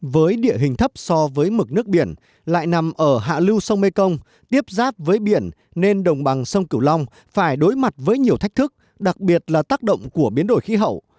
với địa hình thấp so với mực nước biển lại nằm ở hạ lưu sông mê công tiếp giáp với biển nên đồng bằng sông cửu long phải đối mặt với nhiều thách thức đặc biệt là tác động của biến đổi khí hậu